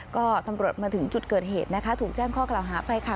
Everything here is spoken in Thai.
ก็ตำรวจมาถึงจุดเกิดเหตุนะคะถูกแจ้งข้อกล่าวหาไปค่ะ